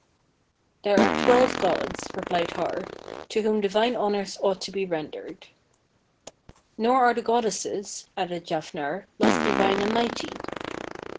"There are twelve gods," replied Har, "to whom divine honours ought to be rendered." "Nor are the goddesses," added Jafnhar, "less divine and mighty."